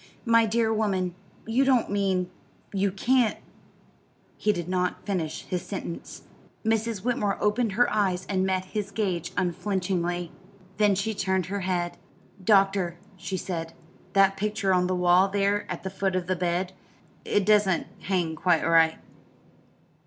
"My dear woman, you don't mean you can't " He did not finish his sentence. Mrs. Whitmore opened her eyes and met his gaze unflinchingly. Then she turned her head. "Doctor," she said, "that picture on the wall there at the foot of the bed it doesn't hang quite straight."